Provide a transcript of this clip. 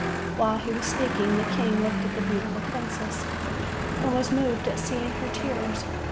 "While he was speaking, the king looked at the beautiful prin cess, and was moved at seeing her tears.